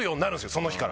その日から。